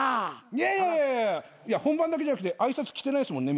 いやいやいや本番だけじゃなくて挨拶来てないですもんね